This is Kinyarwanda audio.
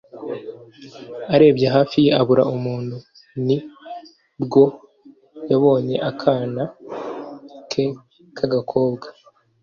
arebye hafi ye abura umuntu. ni bwo yabonye akana ke k'agakobwa